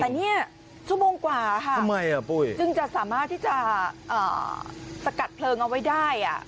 แต่นี้ชั่วโมงกว่าค่ะจึงจะสามารถที่จะสกัดเพลิงเอาไว้ได้